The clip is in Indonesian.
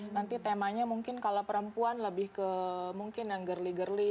nanti temanya mungkin kalau perempuan lebih ke mungkin yang girly girly